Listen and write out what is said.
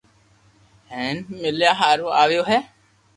ھين مليا ھارون آويو ھي